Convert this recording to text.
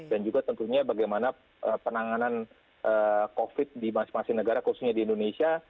dan juga tentunya bagaimana penanganan covid di masing masing negara khususnya di indonesia